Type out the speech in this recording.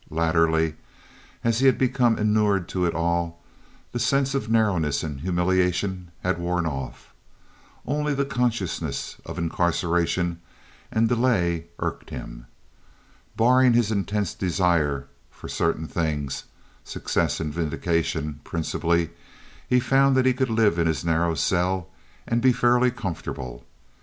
Latterly, as he had become inured to it all, the sense of narrowness and humiliation had worn off. Only the consciousness of incarceration and delay irked him. Barring his intense desire for certain things—success and vindication, principally—he found that he could live in his narrow cell and be fairly comfortable.